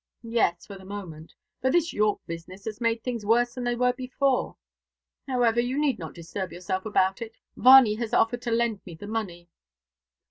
"Yes, for the moment. But this York business has made things worse than they were before. However, you need not disturb yourself about it. Varney has offered to lend me the money."